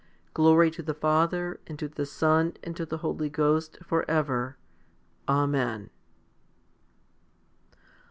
Glory to the Father and to the Son and to the Holy Ghost for ever. Amen.